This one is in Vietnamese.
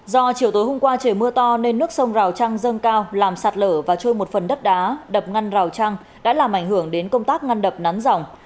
do chiều tối hôm qua trời mưa to nên nước sông rào trăng dâng cao làm sạt lở và trôi một phần đất đá đập ngăn rào trăng đã làm ảnh hưởng đến công tác ngăn đập nắn dòng